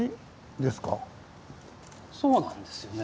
そうなんですよね。